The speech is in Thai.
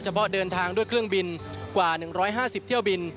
เพาะเดินทางด้วยเครื่องบินกว่า๑๕๐เที่ยวบิน